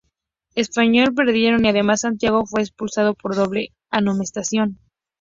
Espanyol, perdieron, y además Santiago fue expulsado por doble amonestación.